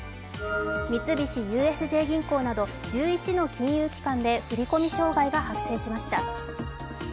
三菱ＵＦＪ銀行など１１の金融機関で振り込み障害が発生しました。